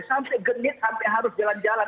sampai genit sampai harus jalan jalan